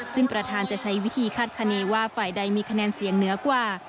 ซึ่งประธานจะใช้วิธีคาดคณีว่าฝ่ายใดมีคะแนนเสียงเหนือกว่า